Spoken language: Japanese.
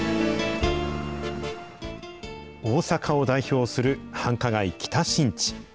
大阪を代表する繁華街、北新地。